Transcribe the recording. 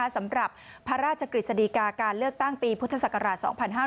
สำหรับพระราชกฤษฎีกาการเลือกตั้งปีพุทธศักราช๒๕๕๙